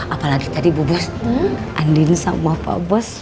apalagi tadi bu bos andin sama pak bos